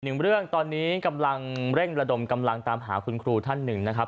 หนึ่งเรื่องตอนนี้กำลังเร่งระดมกำลังตามหาคุณครูท่านหนึ่งนะครับ